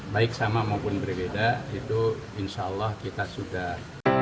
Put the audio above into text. baik sama maupun berbeda itu insya allah kita sudah